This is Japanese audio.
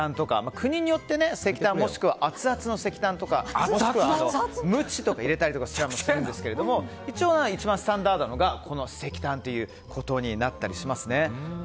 ストッキングの中に石炭とか国によって石炭もしくはアツアツの石炭や鞭とか入れたりするんですが一応、一番スタンダードなのが石炭ということになったりしますね。